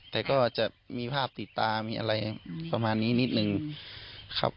แต่ก็จะมีภาพติดตามีอะไรประมาณนี้นิดนึงครับ